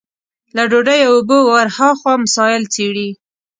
له ډوډۍ او اوبو ورها مسايل څېړي.